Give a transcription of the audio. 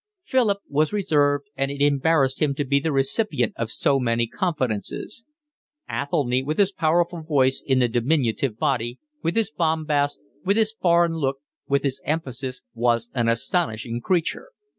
Philip was reserved, and it embarrassed him to be the recipient of so many confidences. Athelny, with his powerful voice in the diminutive body, with his bombast, with his foreign look, with his emphasis, was an astonishing creature.